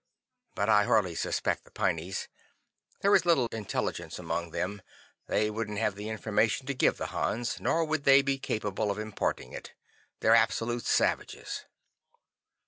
But I hardly suspect the Pineys. There is little intelligence among them. They wouldn't have the information to give the Hans, nor would they be capable of imparting it. They're absolute savages."